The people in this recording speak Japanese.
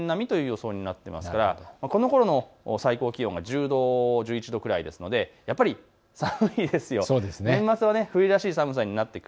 そのあと年末にかけて、ほぼ平年並みという予想になっていますからこのころの最高気温が、１０度、１１度くらいですのでやっぱり寒いです。